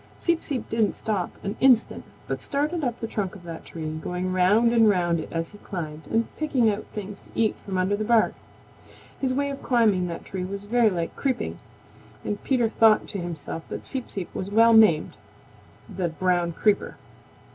Seep Seep didn't stop an instant but started up the trunk of that tree, going round and round it as he climbed, and picking out things to eat from under the bark. His way of climbing that tree was very like creeping, and Peter thought to himself that Seep Seep was well named the Brown Creeper.